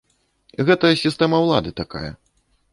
Гэта сістэма ўлады такая.